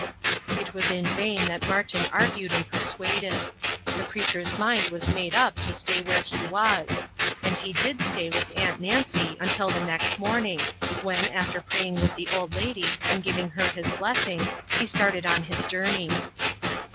It was in vain that Martin argued and persuaded. The preacher's mind was made up to stay where he was. And he did stay with Aunt Nancy until the next morning, when, after praying with the old lady and giving her his blessing, he started on his journey.